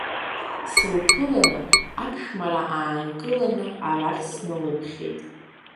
Сылԥыланы, аԥшәмара аанкыланы арахь сналыԥхьеит.